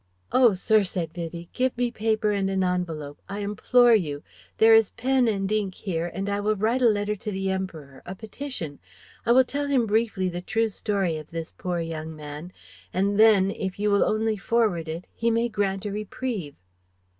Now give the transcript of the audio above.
"Oh, sir," said Vivie, "give me paper and an envelope, I implore you. There is pen and ink here and I will write a letter to the Emperor, a petition. I will tell him briefly the true story of this poor young man; and then, if you will only forward it he may grant a reprieve."